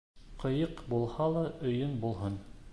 Ҡыйыҡ булһа ла өйөң булһын.